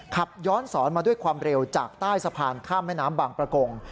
ขับย้อนสอนมาด้วยความเร็วจากใต้สะพานข้ามแม่น้ำบางประกง